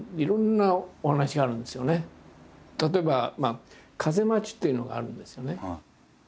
例えば「風待ち」っていうのがあるんですよね。